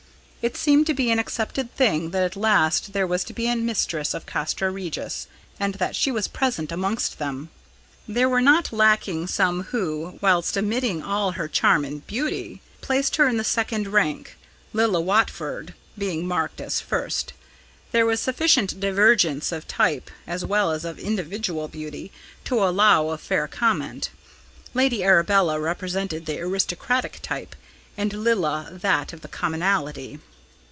It seemed to be an accepted thing that at last there was to be a mistress of Castra Regis, and that she was present amongst them. There were not lacking some who, whilst admitting all her charm and beauty, placed her in the second rank, Lilla Watford being marked as first. There was sufficient divergence of type, as well as of individual beauty, to allow of fair comment; Lady Arabella represented the aristocratic type, and Lilla that of the commonalty.